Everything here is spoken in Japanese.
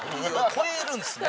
超えるんですね。